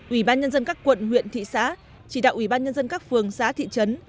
ubnd các quận huyện thị xã chỉ đạo ubnd các phường xã thị trấn